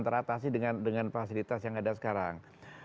teratasi dengan fasilitas yang ada sekarang